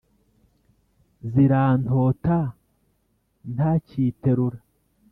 zirantota ntacyiterura